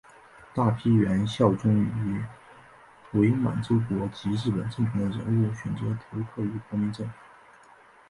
大批原效忠于伪满洲国及日本政权的人物选择投靠于国民政府。